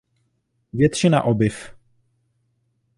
Většina obyv.